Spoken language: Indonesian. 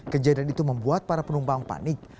kejadian itu membuat para penumpang panik